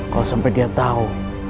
kalau sampai dia tahu